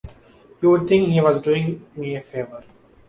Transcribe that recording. You'd think he was doing me a favor.